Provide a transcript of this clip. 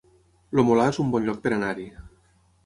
El Molar es un bon lloc per anar-hi